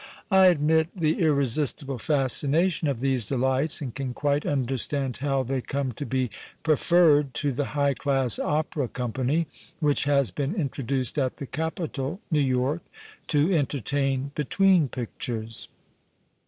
I admit the irresistible fascination of these delights and can quite tuidcrstand how they come to be pre ferred to the high class opera company which has been introduced at the Capitol, New York, to enter tain " between pictures."